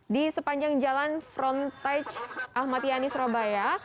di sepanjang jalan frontage ahmadiyani surabaya